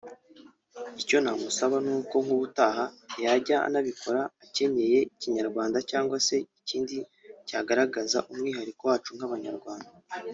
Icyo namusaba ni uko nk’ubutaha yajya anabikora anakenyeye Kinyarwanda cyangwa se ikindi cyagaragaza umwihariko wacu nk’Abanyarwanda